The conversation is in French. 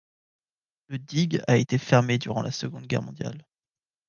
Le digue a été fermée durant la seconde guerre mondiale.